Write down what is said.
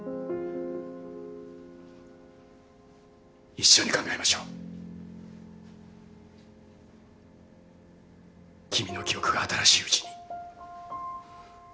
一緒に考えましょう君の記憶が新しいうちに。